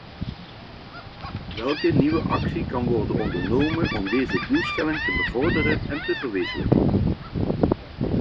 Welke nieuwe actie kan worden ondernomen om deze doelstelling te bevorderen en te verwezenlijken?